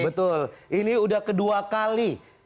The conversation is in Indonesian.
betul ini udah kedua kali